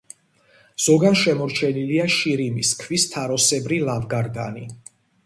ზოგან შემორჩენილია შირიმის ქვის თაროსებრი ლავგარდანი.